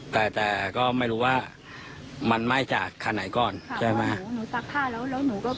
แต่แต่ก็ไม่รู้ว่ามันไหม้จากขนาดไหนก่อนใช่ไหมครับหนูหนูซักผ้าแล้ว